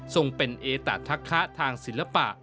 ส่งเป็นเอตะทักคะทางศิลปะ